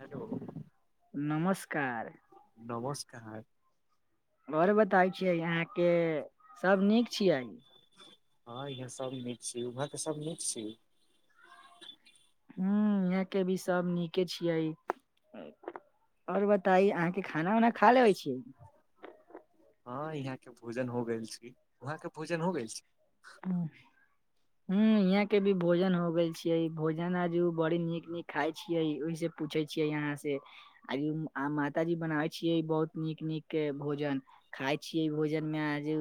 Hello नमस्कार नमस्कार और बताय छियै अहां के, सब नीक छियै। हां यहाँ सब नीक छी, उमहर के सब नीक छी? हम्म यहाँ के भी सब नीके छियै। हम्म और बताइ अहाँके खाना-उना खा लेबय छियै। इहां के भोजन हो ग‌इल छी, वहाँ के भोजन हो ग‌इल छी। [unintelligible] हम्म यहां के भी भोजन हो गेल छियै, भोजन आजु बड़ी नीक -नीक खाय छियै ओहि से पूछै छियै अहाँ से आइ अहां माता जी बनाबै छियै, बहुत नीक-नीक के भोजन। खाय छियै भोजन मे आजु,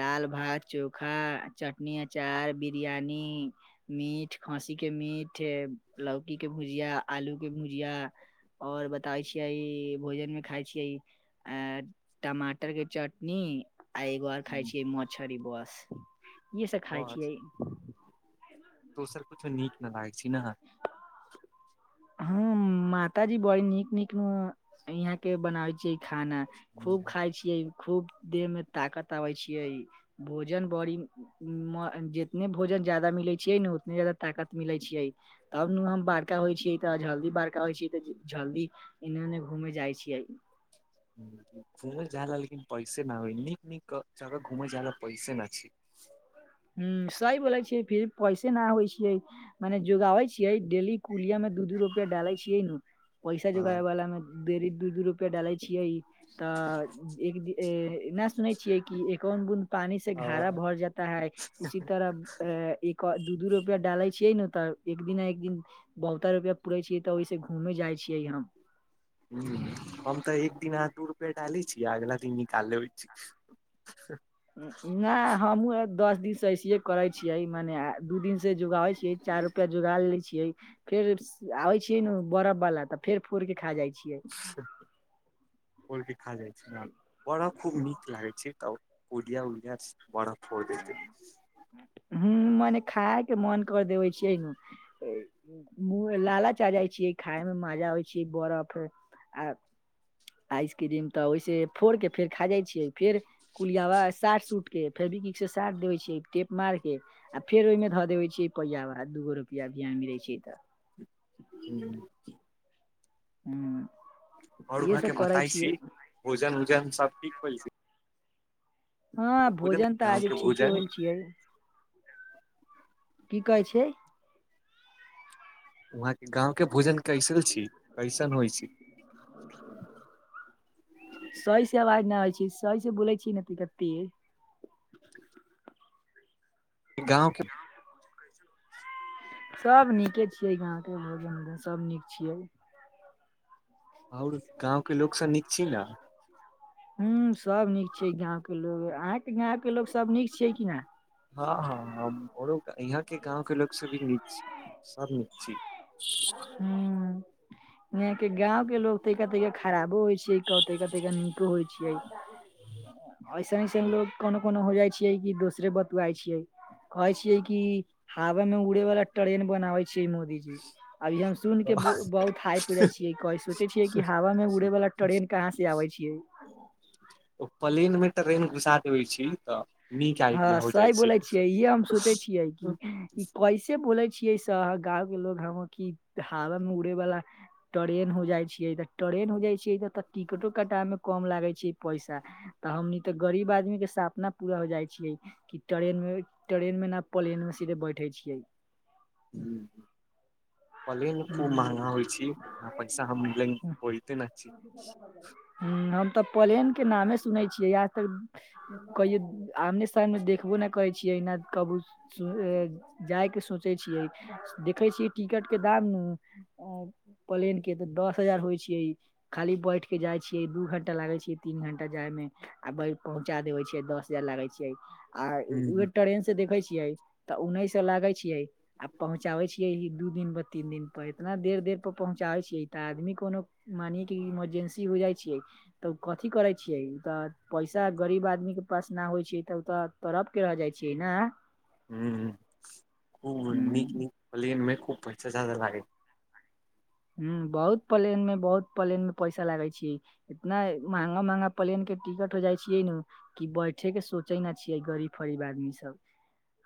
दाल-भात चो खा चटनी, अचार, बिरयानी मीठ खँसी के मीठ, लौकी के भुजिया, आलू के भुजिया, और बताबै छियै, भोजन मे खाय छियै ऐं टमाटर के चटनी, आ एगो आर खाय हम्म, छीयै मच्छरी बस। इ सब खाइ बस छियै। दोसर कुछो नीक न लागै छय ना। हम्म माताजी बडी़ नीक-नीक यहाँ के बनावे छीयै खाना खूब खाइ छी यै खूब देह में ताकत आबैय छियै, भोजन बडी़ मऽ जीतने भोजन ज्यादा मिलय छियै ने, उतने ज्यादा ताकत मिलय छियै। तब नु हम बाड़का होइ छियै। त जल्दी बड़का होइ छियै त, जल्दी एने-उने घूमे जाइ छियै। घूमल जा ल लेकिन पैसे ना होय, नीक-नीक जगह घूमय जाय ल पैसे ना छय। हम्म सही बोलय छियै, फिर पैसे ना होइ छियै। मने जोगाबै छियै, डेली कुलिया में दू-दू रुपया डाले छियै नु, पैसा जोगाबे हँ बला में देरी दू-दू रुपया डालै छियै। त एक दिन, ना सुनय छिय कि ए कोन बुं पानी से घाड़ा भर जाता है, उसी तरह त एक आ दू-दू रुपया डालय छियै नु, त एक ना एक दिन बहुतऽ रुपया पूरै छियै त, ओहि स घूमे जाइ छियै हम। हम्म हम त एक दिना दु रू पे डाल छी अगला दिन निकाल लेबय छि। ना हमहू एक दस दिन स ऐसेे ही करय छिय मने आ दू दिनस जोगाबै छियै चार के जोगाल लय छिय फेर आबे छिय न बरफ वाला त फेर फोड़ के खा जाइ छिय। फोड क खा जाइ छिय न बरफ खूब नीक लागय छय तब। उडिया उडिया बरफ फोर देतय। हु मने खायके मन कर देबय छिय ए मुह लालाच आ जाइ छियै खाय मे मजा होइ छीये बर्फ। आइसक्रीम तऽ ओहिसे फोड़ के फेर खा जाइ छीयै फेर कुलियावा साट सुट के फेर भी से साट देबे छिय टेप मार के आ फेर ओहिमे धऽ देे छिये ल [unintelligible] बा दूगो रपआ भिय मिलै छै तऽ हु। हुं और वहाँ इहे के सब करै बताय छी छियै। भोजन उजन सब ठीक होल छै। हँ भोजन तऽ गाँव के आजुक ठीके भोजन होल छियै। की कहै छै? वहाँके गाँव के भोजन कैसन छी कैसन होइ छै? सही से आवाज नहि आय छै सही से बोलै छी ना। [unintelligible] गाँवके सभ नीके छियै गांव के भोजन उजन सभ नीक छियै। और गाँवके लोक सब नीक छी ने? हू सब नीक छिये गाँंव के लोग। अहाँके गाँंव के लोग सब नीक छिये कि ना? हँ हँ हमरो इहा के गाँंव के लोग सब भी निक छी। सब निक छी। हु नय के गांव के लोग [unintelligible] खराबो होइ छै। तैका तैका नीको होइ छै ऐसन ऐसन लोग कोनो कोनो हो जाइ छियै कि दोसरे बतुआइ छियै। कहै छियै की हवा में उड़े वाला ट्रेन बनाबै छियै मोदीजी। इ हम सुन के बहुत हाइप जाे छी कहय सोचेय छीये की हवा मे उड़े वाल ट्रेन कहाँ से आवे छीये। ओ प्लेन मे ट्रेन घुसा देबइ छी तऽ नीक हँ आइडिया हो जाइ सही छै बोलै छियै इहे हम सोचै छियै कि ई कैसे बोले छियै शह गाँंव के लोग ह कि हवा मे उड़े बाला ट्रेन हो जाइ छियै तऽ ट्रेन हो जाइ छियै तऽ त टिकटो कटा मे कम लागै छी पैसा। तऽ हमनी तऽ गरीब आदमी के सापना पूरा हो जाइ छीये की टरेन मे टरेन मे ना पलेन में सीधे बैठे छियै। हु। पलेन खूब महंगा होइ छी उतना पैसा हम लंग होइते ना छी। हु हम तऽ पलेनके नामे सुनै छियै आज तक कहियो आमने सामने मे देखबो ना करै छियै ना कबू स अ जायके सोचै छियै देखै छियै टिकट के दामु पलेन के तऽ दस हजार होइ छियै। खाली बैठ के जाइ छियै दू घंटा लागै छियै तीन घंटा जायमे आ पहुँचा देबे छीये दस हजार लागै छीये। आ उ उहे हूँ ट्रेन से देखे छियै तऽ उनैस सौ लागेय छियै आ पहुँचाबे छियै ही दू दिन पर तीन दिन पर एतना देर देर पर पहुँचाबै छियै तऽ आदमी कोनो मानिये कि इमर्जेंसी हो जाइ छियै तब कथी करै छियै तऽ पैसा गरीब आदमी के पास न होइ छै तब [unintelligible] तऽ तरप के रह जाए छियै नै। हुं खूब ह नीक-नीक प्लैन मे खूब पैसा जादा लागै हुं बहुत प्लैन में, बहुत प्लैन में पैसा लागे छी इतना महंगा-महंगा प्लैन के टिकट हो जाइ छियै नै कि बैठे के सोचे न छियै गरीब-फरीब आदमी सब।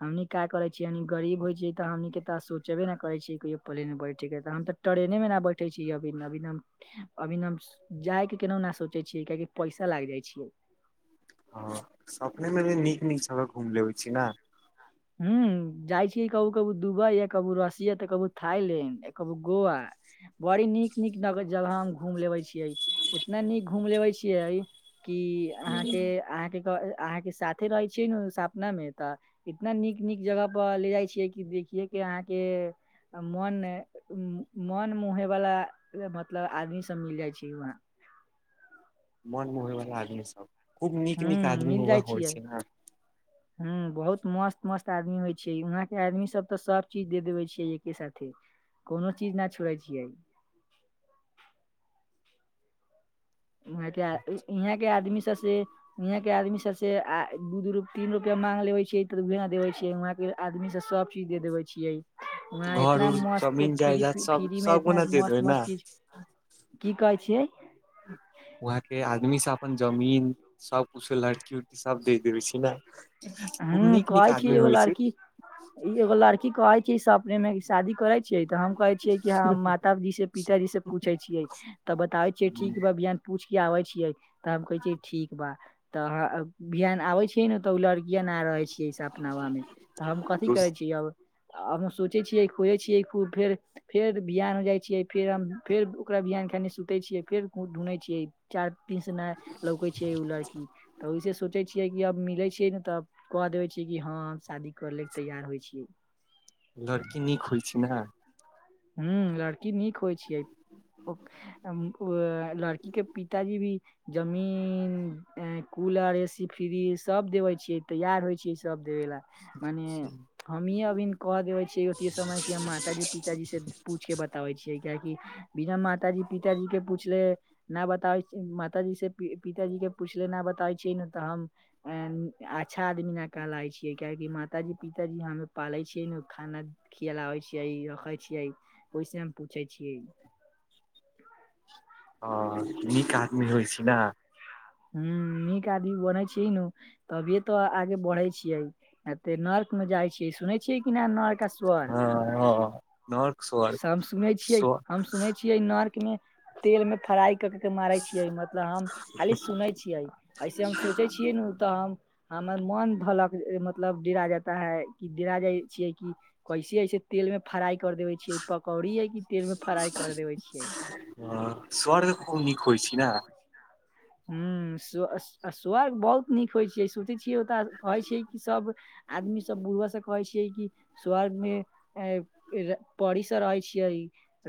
हमनी क करे छीयै हमनी गरीब होय छीयै त हमनी के त सोचबे न करै छीयै कहियो प्लैन मे बैठे के त हम तऽ टरेने मे न बैठे छी अभी अभी तै हम अभी न हम जाय के केन्हु नै सोचे छियै कियाकि पैसा लाग जाइ छियै। हां सपने मे भी नीक-नीक जगह घूम लेबै छीयै नै। हूँ। जाइ छियै कभु-कभु दुबै या कभु रसिया तै कभू थाईलैंड कभु गोआ। बड़ी नीक-नीक न जगह हम घूम लेबे छियै, इतना नीक घूम लेबे छियै कि आहाँके-आहाँके क आहाँके साथे रहै छियै नै सपना मे तऽ इतना नीक-नीक जगह पर ले जाय छियै कि देखियै के आहाँके आ मौन उम्म मौन मोहैवला मतलब आदमी सब मिल जाय छै वहाँ। मन मोहय वाला आदमी सब खूब नीक-नीक हुँ, आदमी ऊहा होय छैय न। हुं बहुत मस्त-मस्त आदमी होय छै, वहां के आदमी सब तऽ सब चीज दे देबे छै एके साथे। कोनो चीज न छोड़ै छियै। वहां के आ इहाँ के आदमी सबसे ईहां के आदमी सबसे आ [unintelligible] तीन रूपया मांग लेबै छियै त उहो न देवै छै वहाँ के आदमी से सब चीज दे देवे छियै। वहाँ घर इतना उर मस्त जमीन फ्री जायदाद फी सब फ्री मे सब इतना कोना दे देबै ने मस्त-मस्त चीज की कहै छियै? वहाँ के आदमी सब अपन जमीन सब कुछो लड़की-उड़की सब दे देबे छै न खूब हूँ नीक-नीक कहै आदमी छियै एगो रहय छै। लड़की ई एगो लड़की कहेै छै सपने मे की शादी करे छीयै तऽ हम कहै छियै कि हम माताजी से पिताजी से पूछै छियै। तब बताबै छियै ठीक बा अभी हम पूछ के आबै छियै तब कहै छै ठीक बा। तऽ ह [unintelligible] आबेै छियै न तऽ उ लड़ किए न रहै छै सपनावा मे तऽ हम कथी कहै छियै अब आब हम सोचै छियै, खोजै छियै, खूब फेर फेर बियाह में जाय छियै, फेर हम फेर ओकरा बिहान खनि सुतै छियै, फेर ढूँढै छियै। चार दिन से न लौकै छै उ लड़की तऽ ओयसे सोचै छियै कि अब मिलै छीयै नै तब कह देबै छीयै कि हां हम शादी करा लैल तैयार होय छियै। लड़की नीक होय छै न? हूँ लड़ की नीक होय छै ओ उम्म ओ लड़की के पिताजी भी जमीन, ए कूलर, ए सी, फ्रीज सब देवे छै। छै, तैयार होय छै ई सब देबे ला मने हमही अभी न कह देबै छियै अथी समझ के हम माताजी-पिताजी से पूछ के बताबै छियै किएकि बिना माताजी-पिताजी के पुछले ना बताबै छी, ए माताजी से पी पिताजी के पुछले ना बताबै छीयै न तऽ हम ए अच्छा आदमी न कहलाय छियै, कियाकि मातााजी पिताजी हमरा पालै छियै नै खाना खिलायबै छियै, रखै छियै, ओय से हम पूछै छियै ह नीक आदमी होय छैय ना। ह नीक आदमी बनै छीही नू। तभिये तो आगे बढ़े छियै न ते नर्क में जाय छियै सुनै छियै कि नैय नर्क। कश्वर। ह नर्क स्वर्ग। सुनै छियै हम सुनै नर्क मे तेल मे फ्राय क के मारै छियै मतलब हम खाली सुनेै छियै। ऐसे हम सोचै छियै नू तऽ। हमर मन धलक मतलब डिरा जाता है कि डिरा जाय छियै की। कैसे ऐसे तेल में फ्राय कर देवे छियै पकौड़ी है कि तेल में फ्राय कर देवे छियै। ह स्वर्ग खूब नीक होय छी ना। ह स्वर्ग बहुत नीक होय छि सू। ओत कहै छै कि सब आदमी सब बुढ़ा सब कहै छैय। स्वर्ग मे परी सब रहै छियै।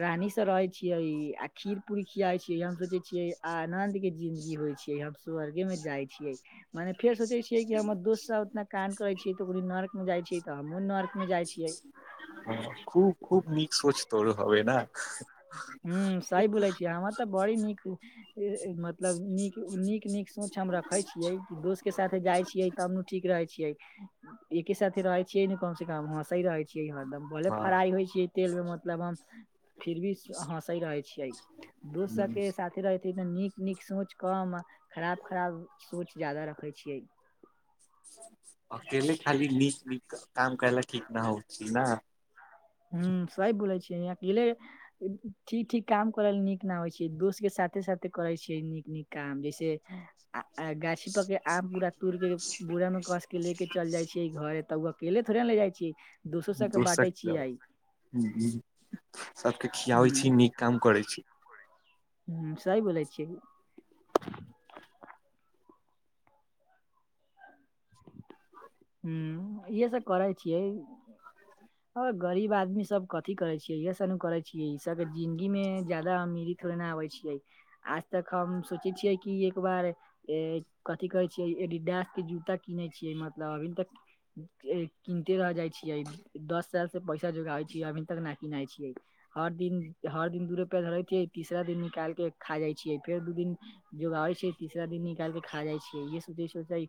रानी से रहे छियै आ खीर पूरी खियायै छी हम सोचे छियै आ आनन्द के। जिंन्दगी होय छियै हम स्वर्ग में जाय छियै। मनेे फेर सोचेै छिये कि हमर दोस्त सब उतना कान करेै छीे तो ओ नर्क मे जाय छी त हमहु नर्क। हम जाई छियै। ह खूब खूब नीक सोच तोर होइ ना। हू साही बोले छी हमर तऽ बड़ी नीक। मतलब नीक नीक सोच हम रखे छियै कि दोस्त के साथ जाई छियै तब। ठीक रहै छियै एके साथे रहै छियै ने कम से कम हँ रहै छियै हरदम। भले फ्राई होइ छै तेल मे मतलब हम फिर भी हँसे रहे। छिखै दोस्त हँ सबके साथे रहै नीक। नीक सोच कम अ खराब खराब सोच जदा रखै छियै। अकेले खाली नीक- नीक काम करैला ठीक न होथि न। हू सही बोले छियै यह अकेले। ठीक- ठीक काम करै ल नीक न होइ छै दोस्त के साथे साथे करे छियै नीक -नीक। काम जैसे। आ गाछी पक के आम पूरा तोड़ के बूरा में कस के लेके चल जाये छीयै घर त। अकेले थोड़े ने ले जाय छीयै दोसो सब के दोसक बाँटे छीयै। सबके ह खियाबै छी नीक काम करै छी। ह सही बोले छियै। हू इह सब करै छियै। [inaudible] ह गरीब आदमी सब कथी करे छियै इह सब न करे छीयै ई सब के जिन्दगी में ज्यदा अमीरी। उड़ना आबै छियै आज तक हम सोचे छियै कि एक बार। ए कथी कहे छीेयै एडिडास के जूता कीनेे छीयै। मलब अभी तक किनते रह जाई छीयै दस साल से पैसा। जूगाबे छियै अभी तक नहि किनाइ छियै। हर दिन हर दिन दू रूपिया धरैतियै तीसरा दिन निकाल क खा जाई छियै फेर दू दिन। जोगाबै छियै तीसरा दिन निकाल के खा जाई छियै इे सोचे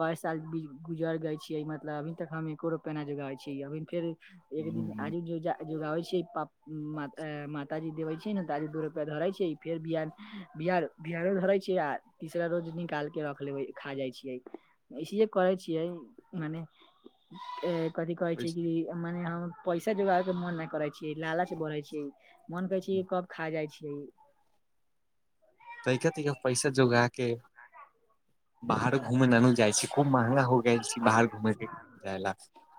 कर साल। गुजर गय छीयै मतलब अभी तक हम एको रोपे जग छीै अ फेर एक दिन आजू। जोगाबै छैयै प। माताजी देवे छै ने ताजी दू रुपआ धरैत छै फेर बिय बिआ। बिअर धरे छीै आ तीसरा रोज निकाल के रख ले खा जाये छीयै इसले करे छी मने अ कथी कहै छैय कि मने हँ पैसा जोगार के मन नहि करै छी, लालच बढ़य छी। मन कहै छी कब खा जाइ छी। [unintelligible] बाहर घुमने ननू जाइ छी खूब महंगा हो गेल छी बाहर। घूमे के जायला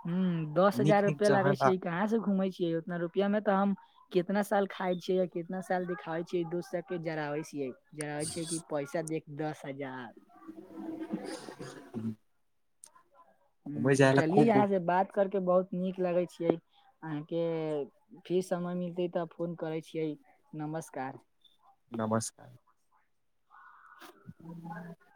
हुँ दस हजार नीक नीक रुपआ लागे जगह ला छैय कहाँ से घुमे छीयै उतना रुप पिया मे त हम कितना साल खाय छीयै कितना साल नय खाय छीेयै एक दोसराके जरावे छियै। जराय छियै कि पैसा देख दस हजार। [inaudible] घूमे जायला चली खूब अहाँ से बात करके बहुत नीक लगेय छियै। अहाँके फी समय मिलतै त फोन करै छियै नमस्कार। नमस्कार। हँ [inaudible]